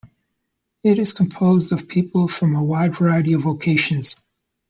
It is composed of people from a wide variety of vocations.